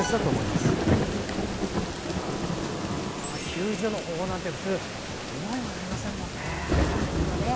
救助の方法なんて普通、思いもよりませんものね。